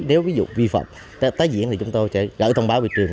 nếu ví dụ vi phạm tái diễn thì chúng tôi sẽ gửi thông báo về trường